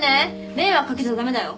迷惑掛けちゃ駄目だよ。